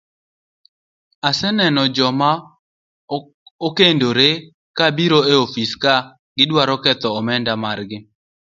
Aseneno joma okendore ka biro e ofis ka gidwaro ketho kend margi,